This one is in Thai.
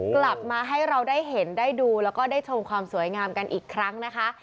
กลับมาให้เราได้เห็นได้ดูแล้วก็ได้ชมความสวยงามกันอีกครั้งนะคะ